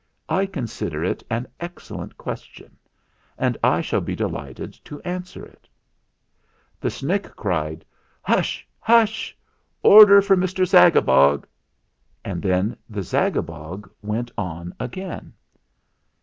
I consider it an excellent question, and I shall be delighted to answer it" The Snick cried "Hush! hush! Order for Mr. Zagabog !" and then the Zagabog went on again.